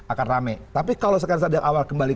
akan rame tapi kalau sekarang dari awal kembali